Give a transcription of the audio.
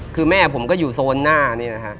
คือแม่ผมก็อยู่โซนหน้านี่นะฮะ